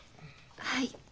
はい。